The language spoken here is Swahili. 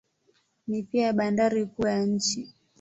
Ni pia bandari kuu ya nchi.